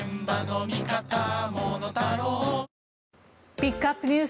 ピックアップＮＥＷＳ